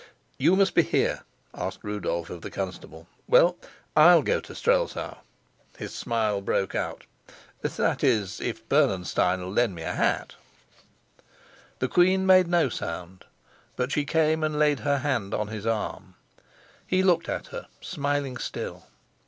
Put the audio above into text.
"You must be here!" asked Rudolf of the constable. "Well, I'll go to Strelsau." His smile broke out. "That is, if Bernenstein'll lend me a hat." The queen made no sound; but she came and laid her hand on his arm. He looked at her, smiling still.